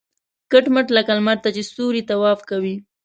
کټ مټ لکه لمر نه چې ستوري طواف کوي.